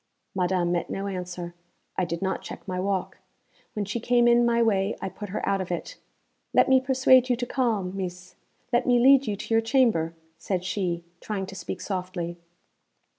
Madame met no answer. I did not check my walk. When she came in my way I put her out of it. 'Let me persuade you to calm, Meess; let me lead you to your chamber,' said she, trying to speak softly.